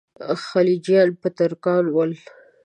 خلجیان به ترکان ول.